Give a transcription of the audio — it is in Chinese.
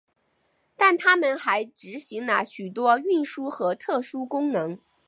但他们还执行了许多运输和特殊功能。